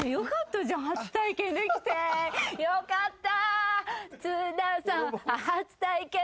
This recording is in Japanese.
よかった。